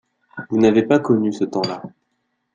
Vous n’avez pas connu ce temps-là.